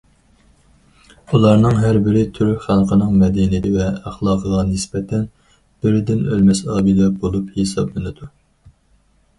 ئۇلارنىڭ ھەر بىرى تۈرك خەلقىنىڭ مەدەنىيىتى ۋە ئەخلاقىغا نىسبەتەن بىردىن ئۆلمەس ئابىدە بولۇپ ھېسابلىنىدۇ.